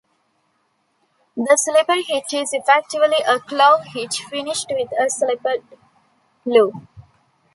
The slippery hitch is effectively a clove hitch finished with a slipped loop.